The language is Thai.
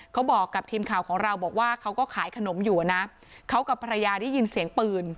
เขาบอกกับทีมข่าวของเราบอกว่าเขาก็ขายขนมอยู่นะเขากับภรรยาได้ยินเสียงปืน